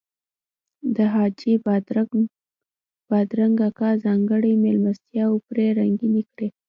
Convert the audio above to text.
د حاجي بادرنګ اکا ځانګړي میلمستیاوې پرې رنګینې وې.